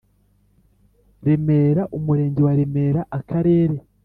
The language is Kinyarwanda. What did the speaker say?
Remera Umurenge wa Remera Akarere